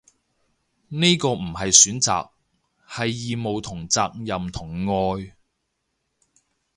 呢個唔係選擇，係義務同責任同愛